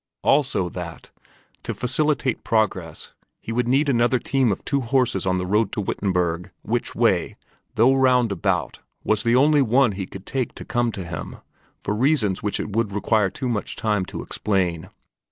Also that, to facilitate progress, he would need another team of two horses on the road to Wittenberg, which way, though roundabout, was the only one he could take to come to him, for reasons which it would require too much time to explain.